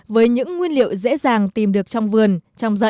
với những nguyên liệu dễ dàng tìm được trong vườn trong dòng